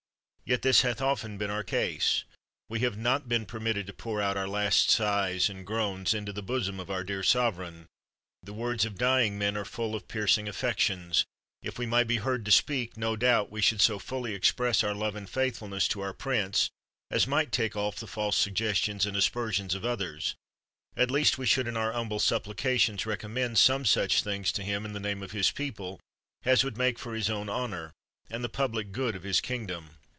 Yet this hath often been our case ! We have not been permit ted to pour out our last sighs and groans into the bosom of our dear sovereign. The words of dying men are full of piercing affections ; if we might be heard to speak, no doubt we should 54 PYM so fully express our love and faithfulness to our prince, as might take off the false suggestions and aspersions of others; at least we should m our humble supplications recommend some such things to him in the name of his people, as would make for his own honor, and the public good of his kingdom.